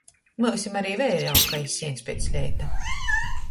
Myusim ari veiri aug kai sieņs piec leita.